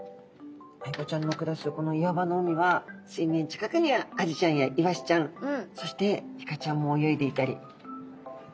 アイゴちゃんの暮らすこの岩場の海は水面近くにはアジちゃんやイワシちゃんそしてイカちゃんも泳いでいたり。